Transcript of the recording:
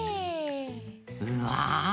うわ！